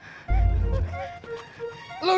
jadi gara gara itu kamu nikung saya